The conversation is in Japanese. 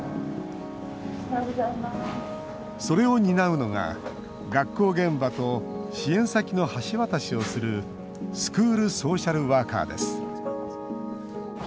それを担うのが学校現場と支援先の橋渡しをするスクールソーシャルワーカーです。